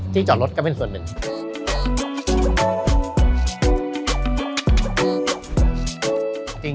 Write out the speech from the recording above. จอดรถก็เป็นส่วนหนึ่ง